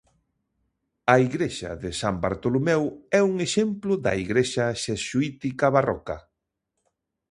A igrexa de San Bartolomeu é un exemplo da igrexa xesuítica barroca.